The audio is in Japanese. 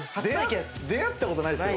出会った事ないですよ。